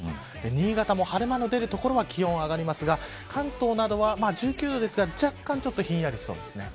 新潟も晴れ間の出る所は気温が上がりますが関東などは、１９度ですが若干ちょっとひんやりそうです。